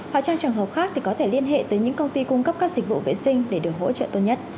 và trong trường hợp khác thì có thể liên hệ tới những công ty cung cấp các dịch vụ vệ sinh để được hỗ trợ tốt nhất